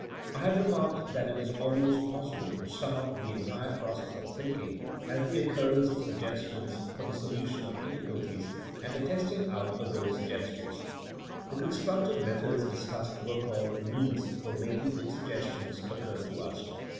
I have remarked that it is almost possible to sum up the entire process of thinking as the oc currence of suggestions for the solution of diffi culties and the testing out of those suggestions. The constructive methods discussed were called means for making good suggestions occur to us.